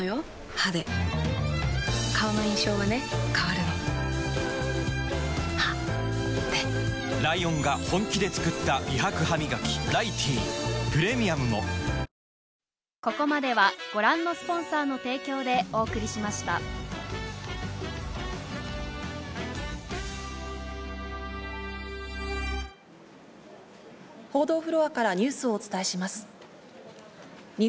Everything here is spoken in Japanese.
歯で顔の印象はね変わるの歯でライオンが本気で作った美白ハミガキ「ライティー」プレミアムも報道フロアからニュースをお伝えします。